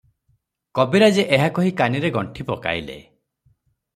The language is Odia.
କବିରାଜେ ଏହା କହି କାନିରେ ଗଣ୍ଠି ପକାଇଲେ ।